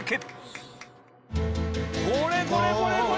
これこれこれこれ！